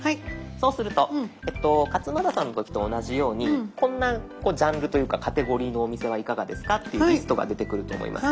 そうすると勝俣さんの時と同じようにこんなジャンルというかカテゴリーのお店はいかがですかっていうリストが出てくると思います。